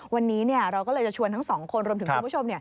วันนี้เราก็เลยจะชวนทั้งสองคนรวมถึงคุณผู้ชม